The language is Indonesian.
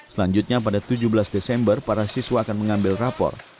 selanjutnya pada tujuh belas desember para siswa akan mengambil rapor